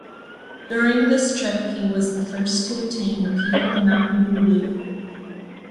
During this trip he was the first to attain the peak of Mount Mulu.